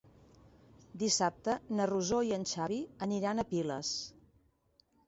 Dissabte na Rosó i en Xavi aniran a Piles.